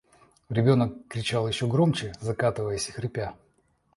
Ребенок кричал еще громче, закатываясь и хрипя.